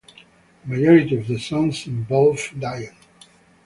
A majority of the songs involve dying.